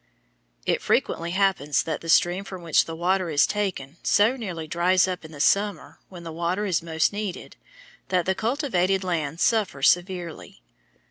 It frequently happens that the stream from which the water is taken so nearly dries up in the summer, when the water is most needed, that the cultivated lands suffer severely.